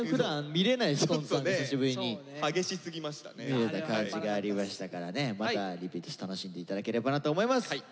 見れた感じがありましたからねまたリピートして楽しんで頂ければなと思います。